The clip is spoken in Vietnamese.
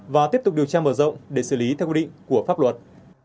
và tiếp tục điều tra mở rộng để xử lý theo quy định của pháp luật